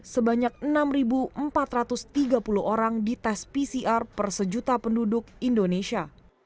sebanyak enam empat ratus tiga puluh orang dites pcr per sejuta penduduk indonesia